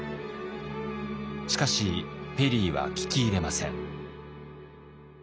しかしペリーは聞き入れません。